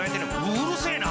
うるせえな！